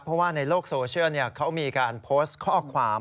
เพราะว่าในโลกโซเชียลเขามีการโพสต์ข้อความ